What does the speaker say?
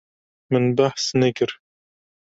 Min behs nekir.